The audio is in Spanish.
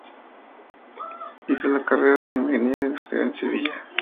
Hizo la carrera de Ingeniero Industrial en Sevilla.